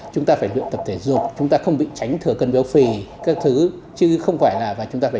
chúng ta phải luyện tập thể dục chúng ta không bị tránh thừa cân béo phì các thứ chứ không phải là chúng ta phải